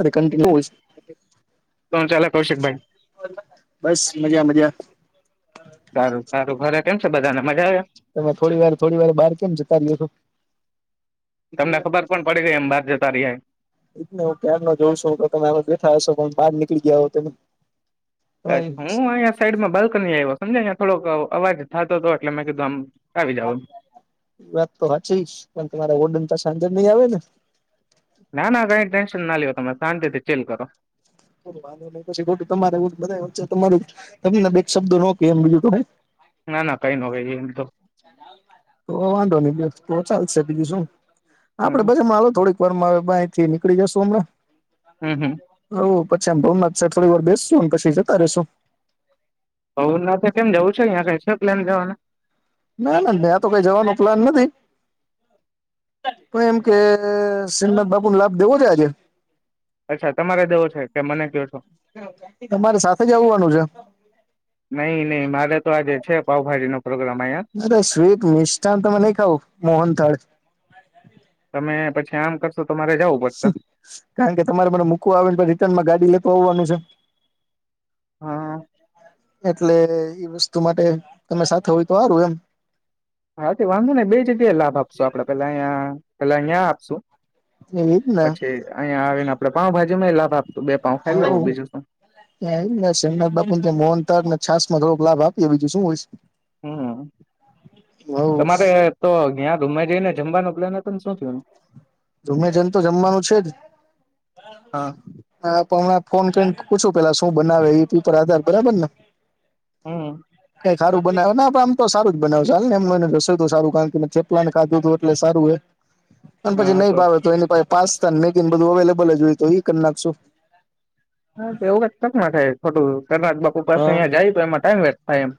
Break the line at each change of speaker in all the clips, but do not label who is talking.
અરે
શું
કન્ટી
ચાલે કૌશિકભાઈ
[unintelligible] બસ મજામ જ્યા
સારું, સારું, ઘરે કેમ છે બધાને મજા આયા
તમે થોડી વાર, થોડી વાર, બાર કેમ જતા રયો છો?
તમને ખબર પણ પડી રય, એમ બહાર જતા રિયા એમ
ઈજને હું ત્યાર નો જોવશું, તમે આમ જ બેઠા હશો, પણ બહાર નીકળી ગયા હો તે
અચ્છા, હું અહીંયા સાઈડમાં બાલ્કનીએ આઈવો, સમજાયયાં થોડોક અ અવાજ થાતો તો એટલે મેં કીધું આમ આવી જાવ
[inaudible] વાત તો હાચીચ, પણ તમારા ઓડન તો સાંજે નહી આવે ને?
ના, ના, કંઈ ટેન્શન ના લ્યો તમે, શાંતિથી ચીલ કરો.
અરે, વાંધો નહી, પછી ખોટું તમારે ઉવું બધાય વચ્ચે, તમારું, તમને બેક શબ્દો નો કે, એમ બીજું તો હું?
ના ના કઈ ન કઈ એમ તો
તો વાંધો નહી, બે તો ચાલશે બીજું શું? આપડે
હમ
બધા માળો થોડીક પર માર બાંએ થી નીકળી જશું અમણાં?
હમ, હમ
પછી આમ ભવનાથ સાડ થોડી વાર બેસશું અન પછી જતા રેસું
હવ, ના તે કેમ જવું છે, અઈંયા કંઈ છે પ્લેન જવાના?
ના, ના, ન્યા તો કઈ જવાનો પ્લાન નથી. પણ એમ કે સિંહનાથ બાપુ ન લાભ દેવો છે આજે?
અચ્છા, તમારે દેવો છે કે મને ક્યો છો.
[unintelligible] તમારે સાથે જ આવવાનું છે.
નઈ, નઈ, મારે તો આજે છે પાવભાજી નો પ્રોગ્રામ અહીંયા
અરે, સ્વીટ, મિષઠાન તમે નહી ખાવ, મોહન થાળ
તમે પછી આમ કરશો? તો મારે જવું
સ
પડશે
સ્ કારણ કે તમારે મને મૂકવા આવેને, પણ રિટર્ન માં ગાડી લેતો આવાનું છે
હા
[unintelligible] એટલે એ વસ્તુ માટે તમે સાથે હોય તો હારુ, એમ.
હા, તે વાંધો નઈ, બે જગ્યાએ લાભ આપશું આપડે, પેલ્લા અંયા, પેલ્લા અઈંયાં આપશું
[inaudible] ને
પછી અહીંયા આવીને આપડે પાઉં ભાજી માંય લાભ આપ, બે પાઉં ખાઈ લેવું, બીજું શું?
[unintelligible] સેમનાથ બાપુ ન ત્યાં મોહનથાળ ને છાંસ માં થોડો લાભ આપીએ, બીજું શું હોઈશ
હમ, તમારે તો ગ્યાં ધુમ્મા જઈને જમવાનો પ્લાન હત્ પણ શું થ્યું?
ધુમે જન તો જમવાનું છે જ.
હા
હા, પણ મેં ફોન કરીને પૂછું પેલ્લા શું હું બનાવે એ ઈ પીપર આધાર બરાબર ને?
હમ
કંઈ ખારું બનાવે, ના પામ તો સારું જ બનાવ, ચાલ ને મને સધસાધું કાનકે મેં ચપલા ને ખાધુંતું એટલે સારું અએ અન પછી નહી ભાવે તો એની પાહે પાસ્તા ન મેગી બધું અવેલ બલ જ ઓય તો ઈ કર નાખશું.
તનાજ બાપુ પાસ
હા
અઈંયા જાય, તો એમાં ટાઈમ વેસ્ટ થાય એમ.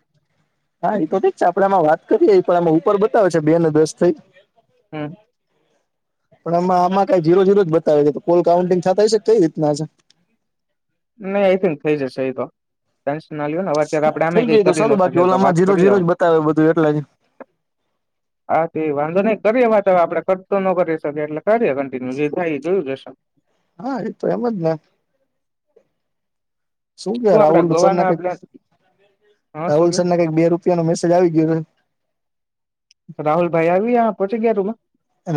હા, એ તો ઠીક છે, આપડે આમાં વાત કરીએ પણ આમાં ઉપર બતાવે છે બે ને દસ થઈ
હમ્મ
પણ આમાં આમાં કઈ જીરો જીરો જ બતાવે છે, કોલ કાઉન્ટિંગ થ થાય છે કઈ રીતના આ છે?
નહી આઈ થિંક થઈ જશે એ તો, ટેન્શન ના લ નેવે અત્યારે આપડે અમે
થઈ
કઈ
જાય તો
કરી
સારું
ના
બાકી
શકીએ તો
ઓલામાં
વાત
જીરો
કરીએ,
જીરો જ બતાવે બધું એટલે જ
હા, તે વાંધો નને કરીએ વા તો આપડે કરતો ન કરી શકીએ એટલે કરીએ કન્ટિન્યુ જે થાય જોયું જશે,
હા, એ તો એમ જ ને શું કે
આપડે
રાહુલસન્ના
ગોવાના
કઈ
પ્લાન હા શું
રાહુલ
કે
સરને કઈક બે રૂપિયા નો મેસેજ આવી ગયો છે,
રાહુલ ભાઈ આવી પહોંચી ગયા રૂમાં?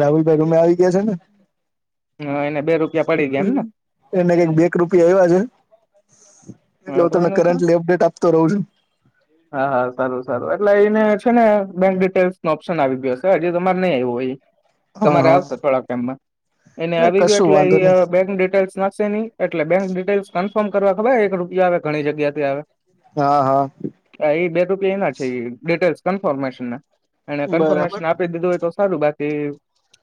રાહુલભાઈ રમે આવી ગયા છે ને,
એને બે રૂપિયા પડી ગયા એમ
એને કઈક બેક રૂપિયા એવા છે. એટલે
ને
હું
તો
તમને
એનું છે
કરન્ટલી અપડેટ આપતો રહું છું.
એ છે ને બેંક ડિટેલ્સ નો ઓપ્શન આવી ગયો હ છે હજી તમારે નહી આવું હો એ
હા
તમારે આવશે
હા
થોડા ટમમાં એને
એ
આવી ગયો
કશું
એટલે
વાંધો નહી
બેંક ડિટેલ્સ નાખશે નહી, એટ એટલે બેંક ડિટેઇલ્સ કન્ફર્મ કરવા ખબર એક રૂપિયા આવે ઘણી જગ્યા થી આવે?
હા હા
ફશન અને
બરાબર
કન્ફર્મેશન આપી દીધું હોય તો સારું બાકી,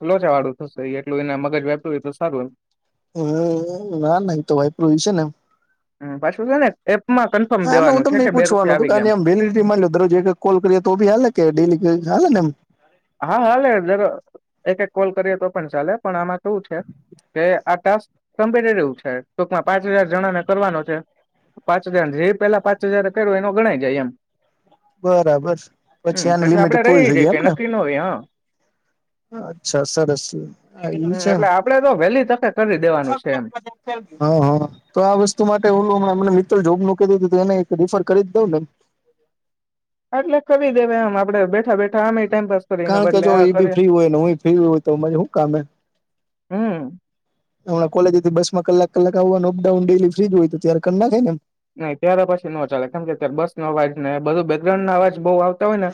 એ લોચા વાળું થશે એટલું એના મગજ વેપરું એટલે સારું એમ
હમ્મ ના ના તો વાઈપરુંય છે ને એમ
હમ્મ પાછું છે ને એ
હા હું તમને એ પૂછવાનું હતું કાર એમ વેલીટી માન્યો દરજ કોલ કરી તો ભી હાલે કે ડેલીલે ને એમ
હા હાલે જરા એક એક કોલ કરીએ તો પણ ચાલે પણ આમાં શું છે. કે આ ટાક કમ્પટિવ છે ટોકમાં પાંચ હજાર જણા ને કરવાનો છે, પાંચ હજાર જે પેલા પાંચ હજાર કર્યો એનો ગણાય જાય એમ,
બરાબર
હમ
પછી આની લિમિટ
આપડે
પૂરી
રહી
થઈ જાય એમ
કઈ
ને?
ન હોવે હા
અચ્છા સરસ એ છે એમ
હમ
હ
એટલે આપડે તો વહેલી તકે કરી દેવાનું છે એમ
હ તો આ વસ્તુ માટે ઓલુંંમને મિત્ર જો. મકી દ એને રીફર કરી જ દઉં નેમ?
એટલે કરી દેવા આમ આપડે બેઠા બેઠા આમે ટાઈમપાસ કરીને
કારણ કે
બદલે
જો
આ
એઈ ભી
કરીએ
ફ્રી હોય, ને હું ફ્રી હો હોય તો મ શું કામે
હમ્મ
હમણા કોલેજથી બસ માં કલાક કલાક આવવાનું અપડાઉન ડેલી ફ્રીજ હોય, તો ત્યારે કરના થાય એમ
નઈ ત્યારે પછી નો ચાલે કારમ કે બસો અવાજ નને બધું બેકગ્રાન્ડો અવાજ બહ આવ હોય ને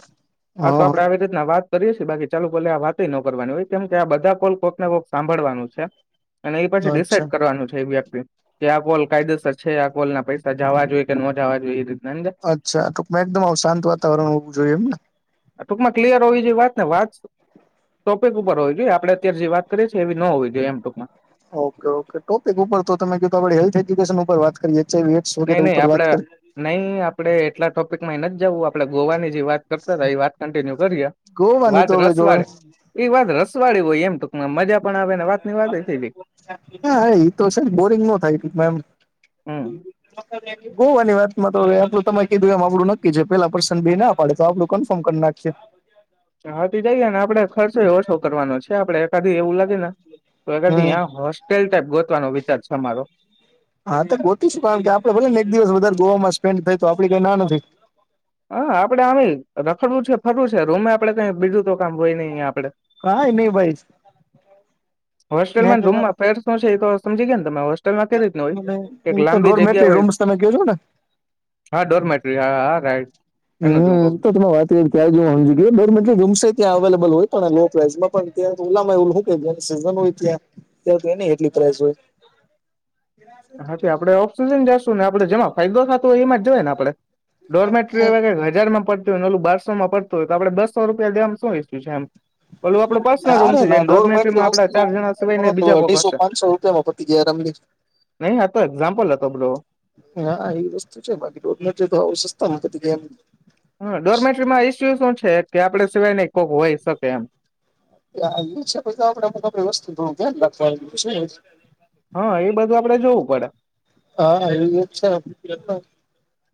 આ
હા
તો આપડે આવી રીત વાત કરીએ બાકી ચાલુ ભલે આ વાત ન કરવાની હોય કેમ કે આ બધા કોલ કોક ને કોક સાંભળવાનું છે. અને એ પછી
હા અચ્છા
ડિસાાઈડ કરવાનું છે, એ વ્યક્તિ કે આ કોલ કાયદેસર છે આ કોલ ના પૈસા જવા જોઈએ કે ન જવા જોઈએ, રીતના સમજ્યા?
અચ્છા ટક એકદમ અવશાંત વાતાવરણ હોવું જોઈએ, એમને
ટૂંકમાં ક્લિયર હોવી જોઈ વાત ને વાત ટોપિક ઉપર હોવી જોઈએ, આપડે અત્યારે જે વાત કરીએ છીએ એવી ન હોવી જોઈએ એમટુકમાં.
ઓકે ઓકે ટોપિક ઉપર તો તમે ક આપડે હેલ્થ એજ્યુકેશન ઉપર વાત કરીએ, એચઆઈવી એડ્સ
નઈ
વગેરે
નહી
ઉપર
આપડે
વાત કરીએ
નહી આપડે એટલા ટોપિક માં ન જવું આપડે ગોવાની જે વાત કરતા હતા, વાત કન્ટિન્યુ કરીએ
ગોવાની
વાદ
તો હવે
રસ
જો
વાળે એ વાદ રસ વાળ હોય એમ ટક મજા પણ આવે, ને વાત ની વાત થઈ જાય
હા, એ તો છે બોરિંગ ન થાયક એમ
હમ
[unintelligible] હોોવાની વાત માં તોલું તમે કીધું એમ આપડું નક્કી છે પેલા પર્સન બે ના પાડે તો આપલું કન્ફર્મ કરી નાખી. [unintelligible]
હટી જઈએ ને આપડે ખર્ચો ઓછો કરવાનો છે, આપડે એકાધી એવું લાગે ને તો કધી
હમ
યા હોસ્ટેલ ટાઈપ ગોતવાનો વિચાર છે, અમારો
હા તો ગોતીશું કારણ કે આપડે ભલે ને એક દિવસ વધારે ગોમાં સ્પેન્ડ થાય તો આપડી કઈ ના નથી
હા આપડે આ રખડવું છે, ફરવું છે, રૂમે આપડ કઈ બીજું તો કામ હોય નઈ આપડે
કઈ ની ભાઈ
હોસ્ટેલમાં ને
મેં
રૂમમાં ફેર શું છે, એ તો સમજી ગયા ને તમે હોસ્ટેલમાં કેઈ રીતની હોય કે
એ
એક
તો
લાંબી જગ્યા
ડોરમેટરી
હોય
રૂમ્સ તમે કયો છો ને
હા ડોર મેટ્રી હા હા રાઈટ એનું જ હું
હમ
કઉ
તો
છું
તમે વાત ક્યાં જો [unintelligible] તો ત્યા અવેલેબલ હોય પણ લો પ્રાઈઝમાં પણ ત્યા ઉલામાં એવું કે સીઝન હોય ત્યા ત તેની કેટલી પ્રાઈઝ હોય
હા તે આપડે ઓક્સિજન લેશું ને આપડે જેમાં ફાયદો થતો હોય એમાં જવાય ને આપડે ડોરમેટરી હવે કંઈક હજારમાં પડ તુ અને ઓલુ બારસોમાં પડતો હોય તો આપડે બસો રૂપિયા દેવામાં શું વેચ્યું છે, એમ ઓલું આપડો પર્સનલ રૂમ
નારે
થઈ જાય
ના
ને
ડોળ
ડોર્મેટરીમાં
એટલી
આપડા
વસ્તુ
ચાર જણા સિવાય ને બીજા કોક
અઢીસો
હશે
પાંચસો રૂપિયામાં પતી ગયા [unintelligible]
નહી આ તો એક્ઝામ્પલ હતો પેલો
હા એ વસ્તુ છે, બાકી રુમમેટ હોય તો હાવ સસ્તામાં પતી જાય એમ
હા ડોર્મેટરીમાં ઈસ્યુ શું છે કે આપડે સિવાય ન કોક હોય શકે એમ
આ છે પછી તો આપડે બ [unintelligible] વસ્તુ બું ધ્યાન રાખવા છે.
હા એ બધું આપડે જોવું પડે
હા એ છે.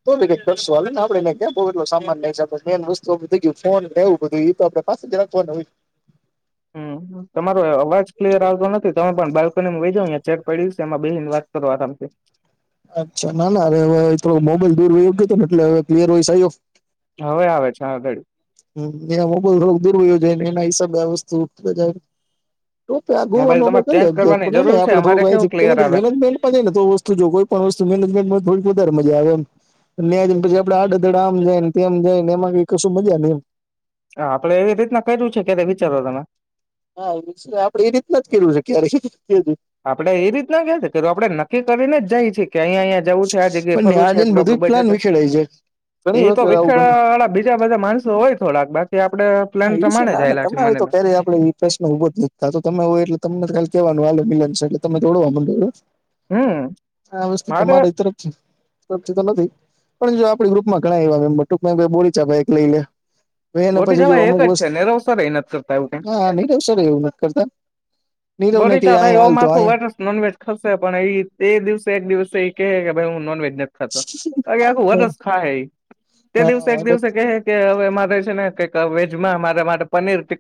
તો ભી કઈ કરશો હવે ને આપડેને કેટો એટલો સામાન લઈ જાતો મેન વસ્તુ થઈ ગું ફોન એવું બધું એતો તપાસે જરાક વાર [unintelligible]
હમ તમારો અવાજ ક્લિયર આવતો નથી તમે પણ બાલ્કનીમાં બેહી જાઓ અને ચેક પડ્યું સે એમાં બેસીને વાત કરો આરામથી
અચ્છા ના નારે હવે મોબાઈલ દૂરયોગ ને એટલે હવે ક્લિયર વોઇસ આયો
હવે આવે છે આગળ
હ એ મોબાઈલ રો દૂર હોયો જોયને એના હિસાબે આ વસ્તુ બજાર તો આગુવાનું
મોબાઈલ
આપડે
તમારે ચેન્જ
કરીએ
કરવાની
નય નય
જરૂર છે
આપડે
અમારે કેવું ક્લિયર
થોડું
આવે
મેનેજમેન્ટમાં જ ને તો વસ્તુ જો કોઈ પણ [unintelligible] વધારે મજા આવે એમ ન્યાંને પછી આપડએ આડે ધડ આમ જાય ને તેમ જાય ને એમાં કઈ કશું મજા ની એમ
હ આપડે એવી રીતના કર્યુ છે, કે વિચારો તમે
હા આપડે એ રીતના જ કયુઁ છે, કયારે
આપડે એ રીતના કે આપડે નક્કી કરીને જાયી છે. કે અહિયા અહિયા જવું છે આ જગ્યાએ
પણ
ફરવું
ન્યા
છે,
જઈને
એટલું
બધું
આપડું
જ પ્લાન
બજેટ
વિખેડાઈ જાય ઘણી
એ તો
વખત આવું
વિખેડ
બને.
વાળા બીજા બધા માણસો હોય થોડાક બાકી આપડે
હા
પ્લાન
એ છે,
પ્રમાણે જ
નાને
આયેલા છે
તમારે
મને
તો
લાગે
ક્યારેય આપડે એ પ્રશ્ન ઉભો થઈ ત્યાર તો તમે હોય એટલે તમને તો ખાલી કેહેવાનું હવે મિલન છે. એટલે તમે દડો આમંડો
હમ
આ વસ્તુ
મારે
તમારી તરફ સાચી તો નથી પણ જો આપડી ગ્રુપમાં ઘણા એવા મેમ્બર ટુકમાં કોઈ બોલી ભાઈ એક લઈ લે એને પછી
બોરીચા
જો
ભાઈ એક
અમુક
જ છે
વસ્તુ
નેરવસર એ નથી કરતા એવું કઈ
હા નીરવ સર એવું નથી કરતા નીરવ ને
બોરી
કે
ચા ભાઈ
અહીયા હાલ
ઓમ
તો
આખુ વર્ષ નોનવેજ ખશે પણ એ એ દિવસે એક દિવસ એ કે કે ભાઈ હું નોનવેજ નથી ખાતો બાકી આખું વર્ષ
અહીયા
ખાએ તે દિવસે એક દિવસે કેહે કે હવે મારે છે, ને કઈક વેજમાં મારે માટે પનીર ટિ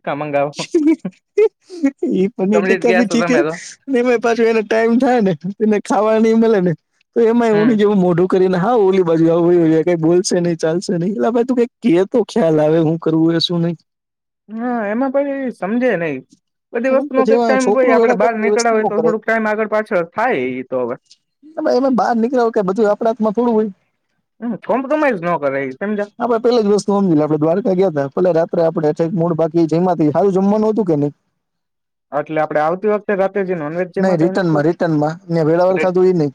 ઈ [unintelligible] પનીર
સમજી જ
ટીક્કા
ગયા
ભી
છો
ટિકે
તમે તો
અને એમાં એ પાછું એને ટાઈમ થાય ને એને ખાવા નઈ મલે ને તો એમાં
હમ
એવુની જેવું મોઢું કરીને હા ઓલી બાજુ આવું એ કઈ બોલશે નહી ચાલશે નહી અલા ભાઈ તું કઈ કેતો ખ્યાલ આવે હું કરું શું નહી
હા એમાં પણ સમજે નય બધી વસ્તુ નો
પછી
કઈ
એમાં
ટાઈમ હોય
છોકરું
આપડે
વેડા કરે
બાર
ને એ વસ્તુ
નીકળાવ
નો
હોય તો
કરાય
થોડુંક ટાઈમ આગળ પાછળ થાય એ તો હવે
હમે એમે બહાર નીકળ કે બધું આપણ હાથમાં થોડું હોય.
હમ કોમ્પ્રોમાઈઝ ન કરે એ સમજા
[unintelligible] પેલી જ વસ્તુ સમજી આપડે દ્વારકા ગયા હતા પલે રાત્રે આપડે. [unintelligible] મૂળ બાકી જેમાંથી હારું જમવાનું હતું કે નહી.
આટલે આપડે આવતી વખતે રાતે જે [unintelligible] જેમાં તો એનો કયો.
[unintelligible] વેળાવળ ખાધું એ [unintelligible]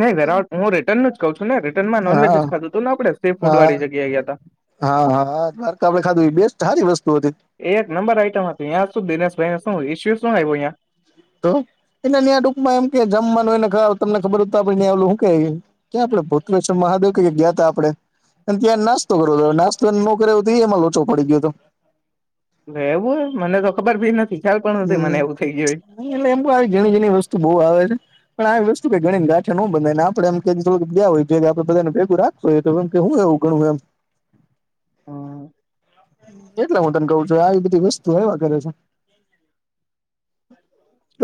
[unintelligible] વેરાવટ હું રિટર્ન જ કઉ છું ને રિટર્નમાં નોનવેજ
હા
ખાધું હતું ને આપણે સી ફૂડ
હા
વાળી જગ્યાયા ગયા. હતા
હા હા દ્વારકા આપડે ખાધું એ બેસ્ટ હારી વસ્તુ હતી
એ એક નંબર આઈટમ હતી યાં શું દિનેશભાઈને શું ઇસ્યુ શું આવ્યો અહ્યા.
તો. [unintelligible] માં એમ કે જમવાનુંયને [unintelligible] તમને ખબરત આપડં આવેલું હું કે ક્યાડે [unintelligible] [unintelligible] કે ગયા તા આપડે. અને ત્યાં નાસ્તો કર નાસ્તો એને ન કરે તો એમાં લોચો પડી ગયો હતો.
એવું હોય મને તો ખબર ભી નથી. ખ્યાલ પણ નથી
હમ
મને એવું થઈ ગયું
એટલે એમ બ આવી ઘણી ઘણી વસ્તુ બહુ આવે છે. પણ આવી વસ્તુ કે ગણી ગાઠન હું બનાને ને આપણે એમ કે થોડાક ગયા હોય જોએ કે આપણે બધા ભગું રાખું હોય તો કેમ કે હું એવું. [inaudible]
હા.
કેટલે હું તને કઉ છું આવી બધી વસ્તુ એવા કરે છે.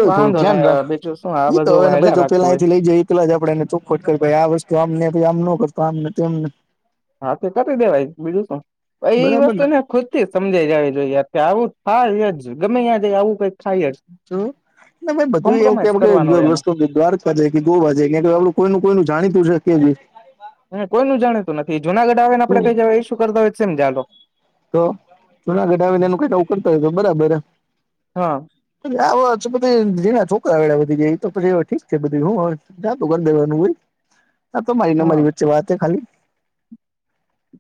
વાંધો નહી હવે બીજું. શું આ
એઈ તો
બધું
હવે ભ
વહેલા
જો
રાખતું
પેલા
હોય
અંથી લઈ જાય એ પેલા આપણે એને ચોખોટ કરી આ વસ્તુ. તો આમને આમ ન કરતો આમને તો એમને.
હા તે કરી દેવાય બીજું શું એ વસ્તુ ને [unintelligible] થી સમજાઈ જવી જોઈ આવું. હા [unintelligible] ગમે ત્યાં જ આવું કઈક થાય. જ
બધું એવું
કોમ્પ્રોમાઈઝ કરવાનો હોય
કે [unintelligible] દ્વારક [unintelligible] કે ગોવા [unintelligible] કોઈ. કોઈ ન જાણીતું છે, કે છે
કોઈ નું જાણીતું નથી જુનાગઢ આવે ને આપે કઈ જય એ શું કરતા હોય [unintelligible]
તો જુનાગઢ આવીને એનું ક કરતા હોય તો બરાબર.
હા.
[unintelligible] બધી જેના છોકરા [unintelligible] બી જાય તો પછી ઠીક છે બધી હું જાતું ગેવા હોય. હા તો મારી ના
હા
મારી વચ્ચે વાત ખાલી.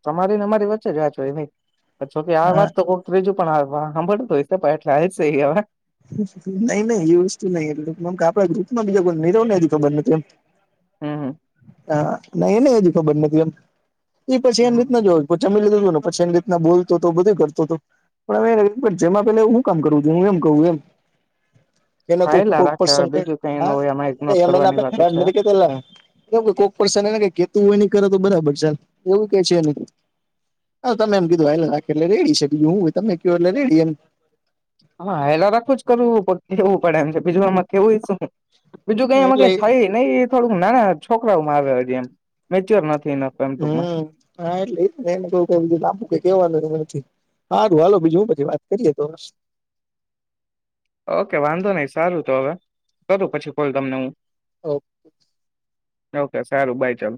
તમારી ને અરી વચ્ચે જ વાચ હોય નઈકે આ
હા
વાત તો ત્રીજું. પણ [unintelligible] છે.
નહી નહી એ વસ્તુ [unintelligible] એટમ આપડા ગ્રુપમાં બીજા કો નીરવ ને હજ ખબર નથી એમ.
હમ હમ.
હા નહી એ ન હજી ખબર નથી એમ એ પછી એની રીતના જોય ચમી [unintelligible] ને [unintelligible] બોલતો હતો બધું કરતો હતો પણ જેમાં પે હું કામ કરું છું, હું એમ [unintelligible] એમ. એને કો
હાયલા
કોઈ કો
રાખે હવે બીજું કઈ ન હોય આમાં ઇગ્નોર કરવાની વાતો છે
હ [unintelligible] કોક [unintelligible] કેતું હોય [unintelligible] કરે તો બરાબર ચાલ એવું ક છેને. હા તમે એમ કીધું એટલે રેડી છે, બીજું હું તમે ક એટલે રેડી એમ.
હા હેલા રાખવું જ [unintelligible] કેવું પડે એમ છે, બીજું આમાં [unintelligible] બીજું કઈ એમાં
એટલે
કઈ થઈ નહી એ થોડુંક નાના છોકરામાં આવ એમ મેચ્યોર નથી. એમ ટૂંકમાં
હમ હા એટલે ને એને [unintelligible] [unintelligible] બીજું હું પછી વાત કરીએ તો [unintelligible]
ઓકે વાંધો નઈ સારું તો હવે કરું પછી કોલ તમને હું.
ઓકે.
ઓકે સારું બાય ચાલ.